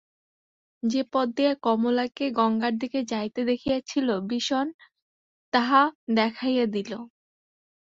যে পথ দিয়া কমলাকে গঙ্গার দিকে যাইতে দেখিয়াছিল বিষন তাহা দেখাইয়া দিল।